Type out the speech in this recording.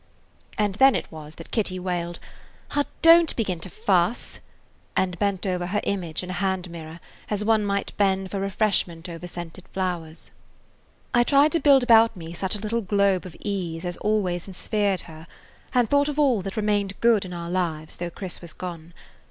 And then it was that Kitty wailed, "Ah, don't begin to fuss!" and bent over her image in a hand mirror as one might bend for refreshment over scented flowers. I tried to build about me such a little globe of ease as always ensphered her, and thought of all that remained good in our lives though Chris was gone.